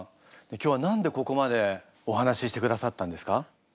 今日は何でここまでお話ししてくださったんですか？